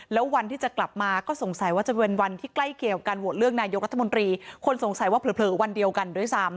แล้ววันที่จะกลับมาก็สงสัยว่าจะเป็นวันที่ใกล้เกี่ยวการโหวตเลือกนายกรัฐมนตรีคนสงสัยว่าเผลอวันเดียวกันด้วยซ้ำ